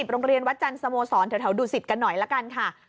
โรงเรียนวัดจันทร์สโมสรแถวดูสิตกันหน่อยละกันค่ะ